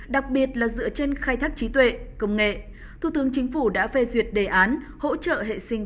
đặc biệt là dựa trên khai thác trí tuệ công nghệ thủ tướng chính phủ đã phê duyệt đề án hỗ trợ hệ sinh